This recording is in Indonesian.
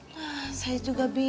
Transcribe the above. nah saya juga bisa